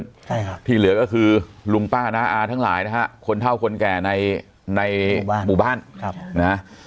ใช่ครับที่เหลือก็คือลุงป้าน้าอาทั้งหลายนะฮะคนเท่าคนแก่ในในหมู่บ้านครับนะฮะ